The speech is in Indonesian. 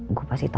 i duct papa pak